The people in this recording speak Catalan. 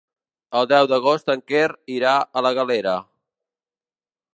El deu d'agost en Quer irà a la Galera.